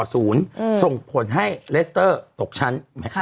ส่งผลให้เลสเตอร์ตกชั้น